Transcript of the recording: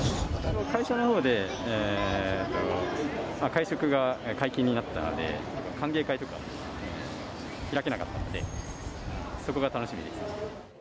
会社のほうで会食が解禁になったので、歓迎会とか開けなかったので、そこが楽しみですね。